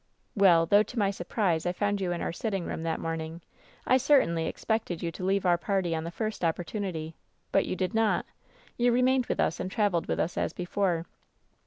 "Well, though to my surprise I found you in our sit ting room that morning, I certainly expected you to leave our party on the first opportunity. But you did not. You remained with us and traveled with us as before.